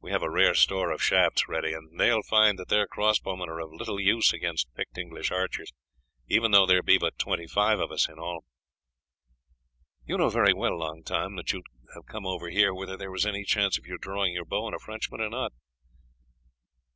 We have a rare store of shafts ready, and they will find that their cross bowmen are of little use against picked English archers, even though there be but twenty five of us in all." "You know very well, Long Tom, that you would have come over here whether there was any chance of your drawing your bow on a Frenchman or not."